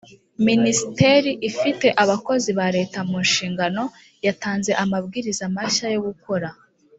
minisiteri ifite abakozi ba leta mu nshingano yatanze amabwiriza mashya yo gukora